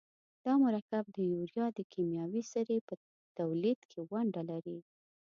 دا مرکب د یوریا د کیمیاوي سرې په تولید کې ونډه لري.